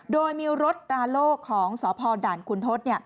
โดยมีรถตราโล่ของสพด่านคุณทศ